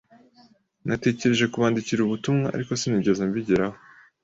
Natekereje kubandikira ubutumwa, ariko sinigeze mbigeraho.